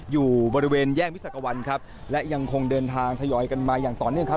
อยู่บริเวณแยกมิสักวันครับและยังคงเดินทางทยอยกันมาอย่างต่อเนื่องครับ